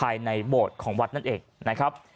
ภายในโบดของวัดนัดเอกนะครับ